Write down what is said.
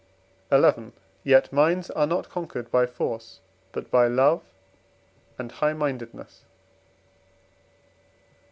XI. Yet minds are not conquered by force, but by love and high mindedness.